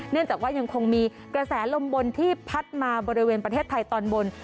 จากว่ายังคงมีกระแสลมบนที่พัดมาบริเวณประเทศไทยตอนบน